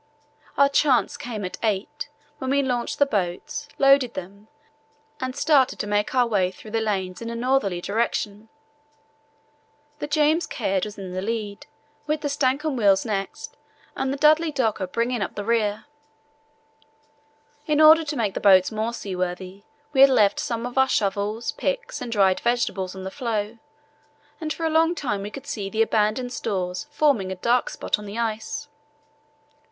Our chance came at 8, when we launched the boats, loaded them, and started to make our way through the lanes in a northerly direction. The James Caird was in the lead, with the Stancomb Wills next and the Dudley Docker bringing up the rear. In order to make the boats more seaworthy we had left some of our shovels, picks, and dried vegetables on the floe, and for a long time we could see the abandoned stores forming a dark spot on the ice.